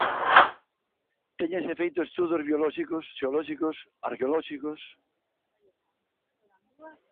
Téñense feito estudos biolóxicos, xeolóxicos, arqueolóxicos.